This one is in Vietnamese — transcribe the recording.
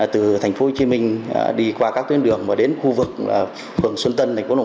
từ tp hcm đi qua các tuyên đường và đến khu vực phường xuân tân tp hcm